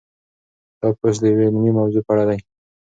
دا پوسټ د یوې علمي موضوع په اړه دی.